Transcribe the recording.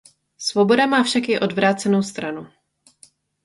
Svoboda má však i odvrácenou stranu.